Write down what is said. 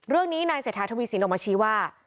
เรื่องนี้นายเศรษฐาทวีสินออกมาชี้ว่า